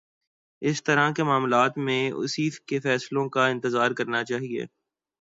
اِس طرح کے معاملات میں اُسی کے فیصلوں کا انتظار کرنا چاہیے